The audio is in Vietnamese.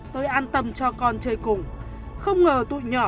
tôi an tâm cho con chơi cùng không ngờ tụi nhỏ